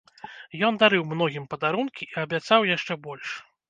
Ён дарыў многім падарункі і абяцаў яшчэ больш.